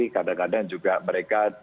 kadang kadang juga mereka